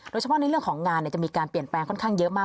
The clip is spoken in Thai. โดยเฉพาะในเรื่องของงานจะมีการเปลี่ยนแปลงค่อนข้างเยอะมาก